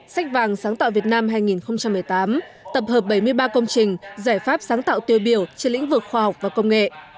sách vàng sáng tạo việt nam hai nghìn một mươi tám tập hợp bảy mươi ba công trình giải pháp sáng tạo tiêu biểu trên lĩnh vực khoa học và công nghệ